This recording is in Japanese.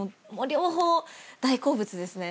両方大好物ですね。